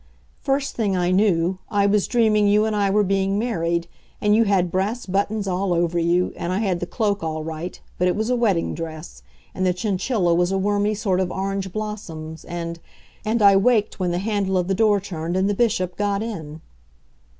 First thing I knew, I was dreaming you and I were being married, and you had brass buttons all over you, and I had the cloak all right, but it was a wedding dress, and the chinchilla was a wormy sort of orange blossoms, and and I waked when the handle of the door turned and the Bishop got in.